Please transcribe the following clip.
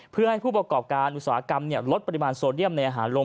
เพื่อให้ผู้ประกอบการอุตสาหกรรมลดปริมาณโซเดียมในอาหารลง